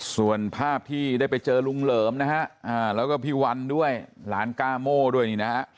ส่วนภาพที่ได้ไปเจอลุงเหลิมนะฮะแล้วก็พี่วันด้วยหลานก้าโม่ด้วยนี่นะฮะ